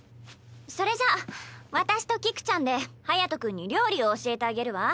それじゃ私と菊ちゃんで隼君に料理を教えてあげるわ。